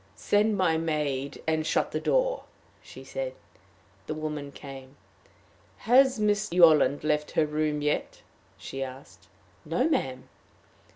"Send my maid, and shut the door," she said. The woman came. "Has Miss Yolland left her room yet?" she asked. "No, ma'am."